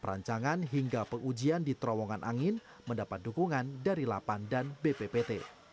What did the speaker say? perancangan hingga pengujian di terowongan angin mendapat dukungan dari lapan dan bppt